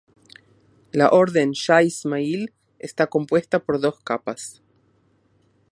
La orden Shah Ismail está compuesta por dos capas.